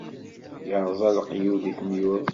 Irẓa leqyud i ten-yurzen.